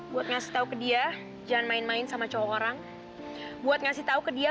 buat ngasih tau ke dia jangan main main sama cowok orang buat ngasih tahu ke dia